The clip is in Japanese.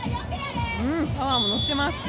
パワーも乗ってます。